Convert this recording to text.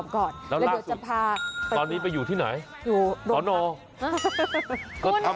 ต้องทำให้สอบถนนก่อน